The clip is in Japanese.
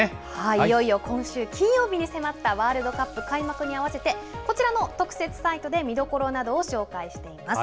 いよいよ今週金曜日に迫ったワールドカップ開幕に合わせて、こちらの特設サイトで見どころなどを紹介しています。